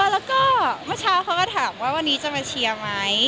แล้วก็เมื่อเช้าเขาก็ถามว่าวันนี้จะมาเชียร์ไหม